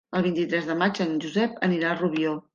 El vint-i-tres de maig en Josep anirà a Rubió.